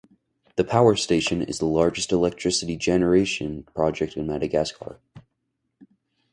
The power station is the largest electricity generation project in Madagascar.